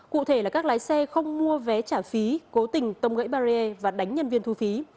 cụ thể là các lái xe không mua vé trả phí cố tình tông gãy barrier và đánh nhân viên thu phí